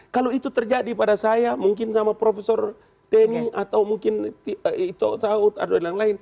kalau itu terjadi pada saya mungkin sama prof denny atau mungkin ito taut atau yang lain